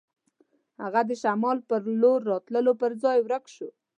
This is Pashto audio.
هغه د شمال په لور راتلو پر ځای ورک شو.